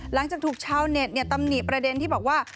หลังจากถูกชาวเน็ตตำหนิประเด็นที่บอกว่า